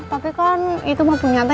tapi kan itu mau punya teh